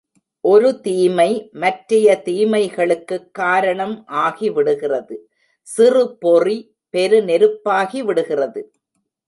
ஒரு தீமை மற்றைய தீமைகளுக்குக் காரணம் ஆகிவிடுகிறது சிறு பொறி பெரு நெருப்பாகிவிடுகிறது.